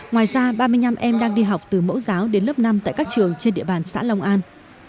ngoài ra ba mươi năm em đang đi học từ mẫu giáo đến lớp năm tại các trường trên địa bàn xã long an